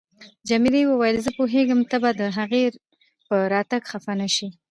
جميلې وويل: زه پوهیږم ته به د هغې په راتګ خفه نه شې.